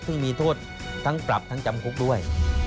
ซึ่งมีโทษทั้งปรับทั้งจำคุกด้วย